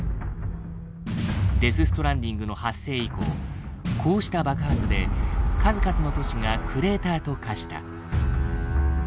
デス・ストランディングの発生以降こうした爆発で数々の都市がクレーターと化した。